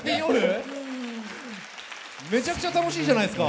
めちゃくちゃ楽しいじゃないですか。